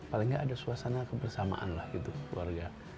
paling nggak ada suasana kebersamaan lah gitu keluarga